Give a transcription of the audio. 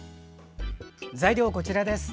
材料はこちらです。